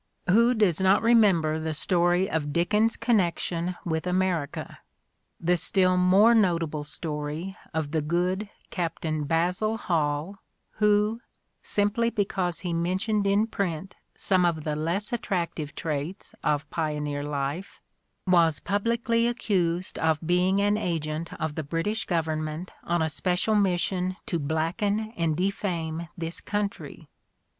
Who does not 64 The Ordeal of Mark Twain remember the story of Dickens's connection with Amer ica, the still more notable story of the good Captain Basil Hall who, simply because he mentioned in print some of the less attractive traits of pioneer life, was publicly accused of being an agent of the British gov ernment on a special mission to blacken and defame this country?